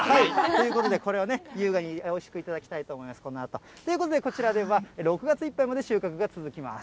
ということで、これを優雅においしく頂きたいと思います、このあと。ということで、こちらでは６月いっぱいまで収穫が続きます。